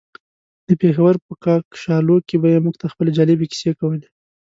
د پېښور په کاکشالو کې به يې موږ ته خپلې جالبې کيسې کولې.